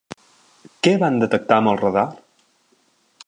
Què van detectar amb el radar?